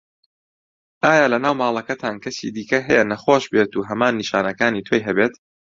ئایا لەناو ماڵەکەتان کەسی دیکه هەیە نەخۆش بێت و هەمان نیشانەکانی تۆی هەبێت؟